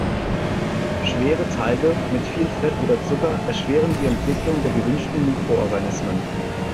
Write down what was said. Schwere Teige mit viel Fett oder Zucker erschweren die Entwicklung der gewünschten Mikroorganismen.